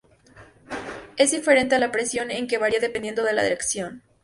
Es diferente a la presión en que varía dependiendo de la dirección.